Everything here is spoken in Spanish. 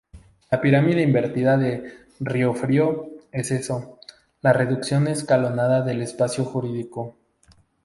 La pirámide invertida de Riofrío es eso: la reducción escalonada del espacio jurídico.